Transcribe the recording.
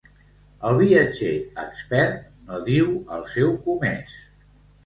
El viatger expert no diu el seu comès.